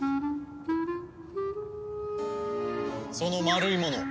その丸いものを。